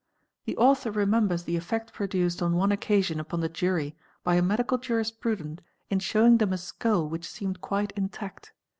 The author _ remembers the effect produced on one occasion upon the jury by a medical _ jurisprudent in showing them a skull which seemed quite intact.